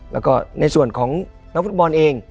แล้วก็ในส่วนของนักฟุตบอลเอง